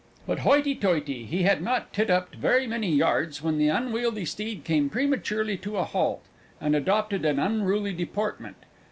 But, hoity toity! he had not titupped very many yards when the unwieldy steed came prematurely to a halt and adopted an unruly deportment.